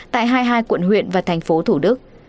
tại hai mươi hai quận huyện và thành phố thủ đức